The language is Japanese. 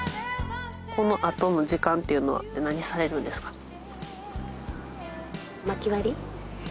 このあとの時間っていうのは何されるんですか？